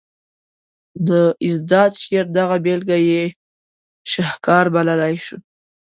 د اذاد شعر دغه بیلګه یې شهکار بللی شو.